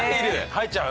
入っちゃう？